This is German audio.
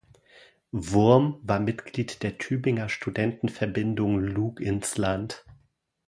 Wurm war Mitglied der Tübinger Studentenverbindung Luginsland.